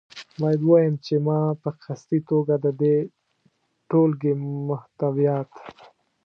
باید ووایم چې ما په قصدي توګه د دې ټولګې محتویات.